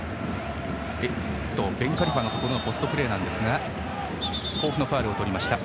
ベンカリファのところのポストプレーですが甲府のファウルをとりました。